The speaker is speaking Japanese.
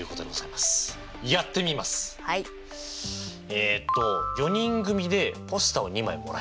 えっと４人組でポスターを２枚もらえる。